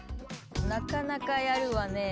なかなかやるわね。